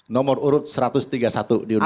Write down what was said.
nomor urut satu ratus tiga puluh satu diundangkan itu